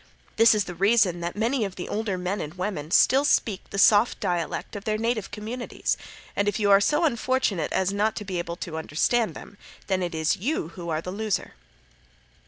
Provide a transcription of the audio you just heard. This is the reason that many of the older men and women still speak the soft dialect of their native communities, and if you are so unfortunate as not to be able to understand them, then it is you who are the loser.